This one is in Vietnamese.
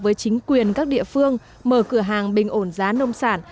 với chính quyền các địa phương mở cửa hàng bình ổn giá nông sản